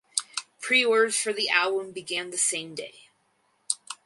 Preorders for the album began the same day.